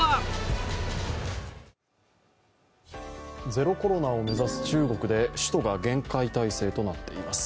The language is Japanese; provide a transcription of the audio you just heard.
ゼロコロナを目指す中国で首都が厳戒態勢となっています。